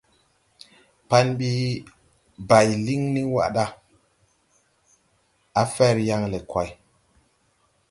Pan bi bay lin ni wa da, à fer yan le kway.